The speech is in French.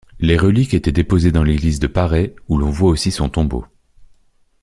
Les reliques étaient déposées dans l'église de Parey, où l'on voit aussi son tombeau.